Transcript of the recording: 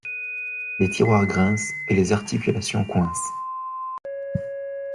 Les tiroirs grincent et les articulations coincent.